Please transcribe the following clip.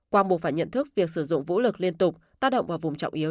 qua buộc phải nhận thức việc sử dụng vũ lực liên tục tác động vào vùng trọng yếu